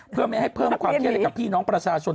เพื่อไม่ให้เพิ่มความเครียดให้กับพี่น้องประชาชน